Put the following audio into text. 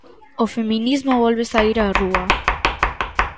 O feminismo volve saír á rúa.